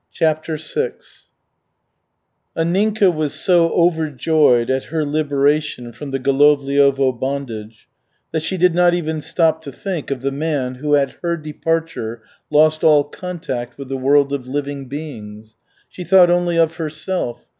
CHAPTER VI Anninka was so overjoyed at her liberation from the Golovliovo bondage, that she did not even stop to think of the man who at her departure lost all contact with the world of living beings. She thought only of herself.